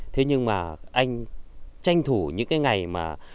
thế nhưng mà anh tranh thủ những cái ngày mà